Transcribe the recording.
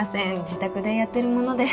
自宅でやってるもので。